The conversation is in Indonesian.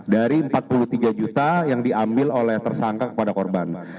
dari empat puluh tiga juta yang diambil oleh tersangka kepada korban